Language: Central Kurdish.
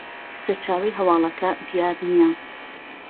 سەرچاوەی هەواڵەکە دیار نییە